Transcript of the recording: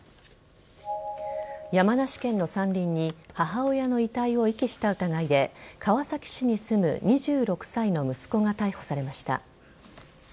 山梨県の山林に母親の遺体を遺棄した疑いで川崎市に住む２６歳の息子が逮捕されました。